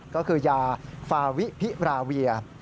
ก็คือยาฟาวิพิราเวีย